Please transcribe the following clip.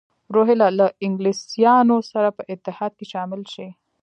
روهیله له انګلیسیانو سره په اتحاد کې شامل شي.